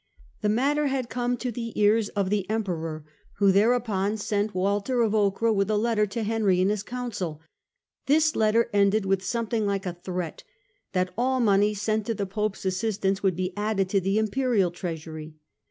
The matter had come to the ears of the Emperor, who thereupon sent Walter of Ocra with a letter to Henry and his Council. This letter ended with something like a threat, that all money sent to the Pope's assistance would be added to the Imperial treasury.